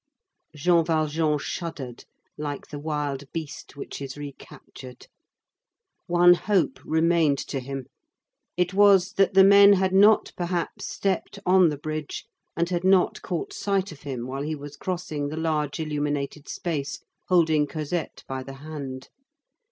Jean Valjean shuddered like the wild beast which is recaptured. One hope remained to him; it was, that the men had not, perhaps, stepped on the bridge, and had not caught sight of him while he was crossing the large illuminated space, holding Cosette by the hand.